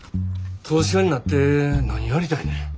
投資家になって何やりたいねん。